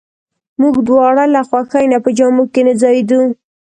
موږ دواړه له خوښۍ نه په جامو کې نه ځایېدو.